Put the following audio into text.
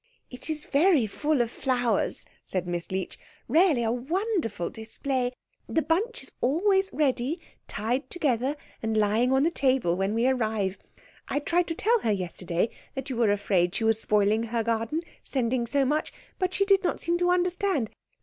"It is very full of flowers," said Miss Leech. "Really a wonderful display. The bunch is always ready, tied together and lying on the table when we arrive. I tried to tell her yesterday that you were afraid she was spoiling her garden, sending so much, but she did not seem to understand.